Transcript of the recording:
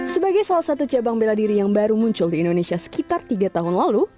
sebagai salah satu cabang bela diri yang baru muncul di indonesia sekitar tiga tahun lalu